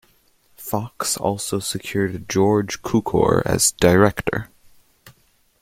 Fox also secured George Cukor as director.